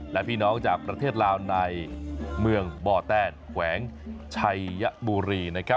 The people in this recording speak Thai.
และพี่น้องจากประเทศลาวในเมืองบ่อแตนแขวงชัยบุรี